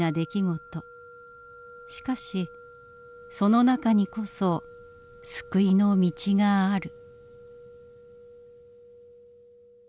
しかしその中にこそ救いの道がある。